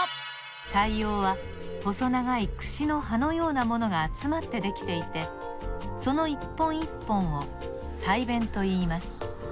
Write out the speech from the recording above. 鰓葉は細長いくしの歯のようなものがあつまってできていてこの一本一本を鰓弁といいます。